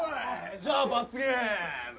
じゃあ罰ゲーム。